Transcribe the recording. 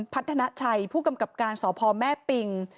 พัฒนาชัยผู้กำกับการสพแม่ปิง